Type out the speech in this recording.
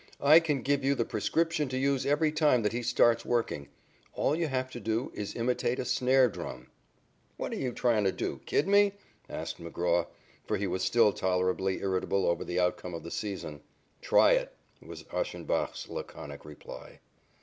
I can give you the prescription to use every time that he starts working. All you have to do is to imitate a snare drum." "What are you trying to do kid me?" asked McGraw, for he was still tolerably irritable over the outcome of the season. "Try it," was Ashenbach's laconic reply.